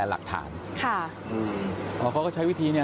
ใช่ก็เหมือนวางเงินว่าไม่ธรรมดา